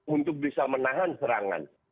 untuk bisa menahan serangan